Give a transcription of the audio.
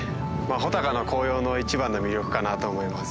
穂高の紅葉の一番の魅力かなと思います。